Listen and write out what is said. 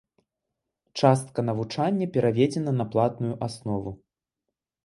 Частка навучання пераведзена на платную аснову.